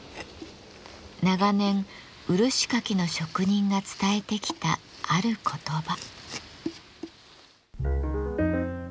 長年漆かきの職人が伝えてきたある言葉。